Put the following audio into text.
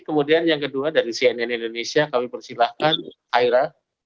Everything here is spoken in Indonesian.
kemudian yang kedua dari cnn indonesia kami persilahkan aira